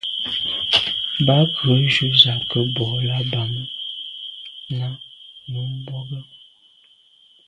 Mb’a’ ghù ju z’a ke’ bwô là Bam nà num mbwôge.